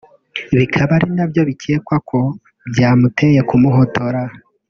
bikaba ari na byo bikekwa ko byamuteye kumuhotora